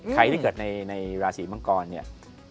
ใครที่เกิดในราศีมังกรเนี่ย